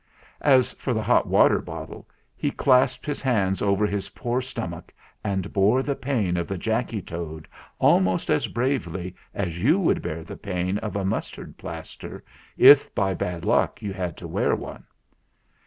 As for the hot water bottle, he clasped his hands over his poor stomach and bore the pain of the Jacky Toad almost as bravely as you would bear the pain of a mustard plaster if by bad luck you had to wear one.